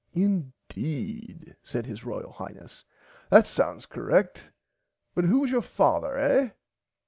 Indeed said his royal Highness that sounds correct but who was your father eh.